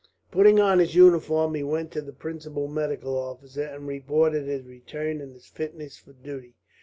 Putting on his uniform, he went to the principal medical officer, and reported his return and his fitness for duty.